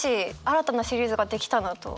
新たなシリーズが出来たなと。